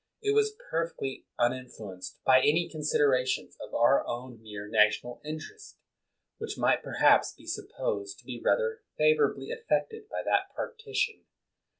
It was perfectly unin fluenced by any considerations of our own mere national interest, which might perhaps be sup posed to be rather favorably affected by that partition.